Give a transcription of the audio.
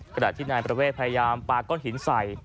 ขณะที่นายประเวทพยายามปาก้อนหินใส่